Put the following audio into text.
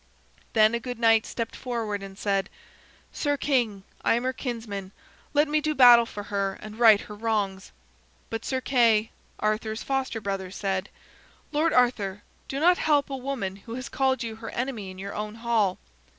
Then a good knight stepped forward and said: "Sir King, I am her kinsman. Let me do battle for her and right her wrongs." But Sir Kay, Arthur's foster brother, said: "Lord Arthur, do not help a woman who has called you her enemy in your own hall."